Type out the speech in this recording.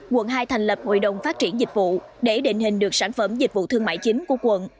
quận hai thành lập hội đồng phát triển dịch vụ để định hình được sản phẩm dịch vụ thương mại chính của quận